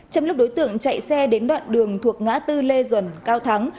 trong lúc đối tượng chạy xe đến đoạn đường thuộc ngã tư lê duẩn cao thắng